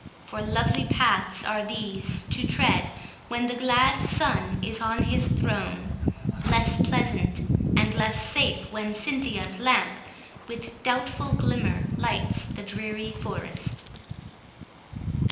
—for lovely paths are these To tread, when the glad Sun is on his throne Less pleasant, and less safe, when Cynthia's lamp With doubtful glimmer lights the dreary forest.